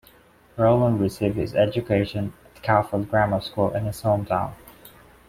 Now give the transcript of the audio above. Rowland received his education at Caulfield Grammar School in his hometown.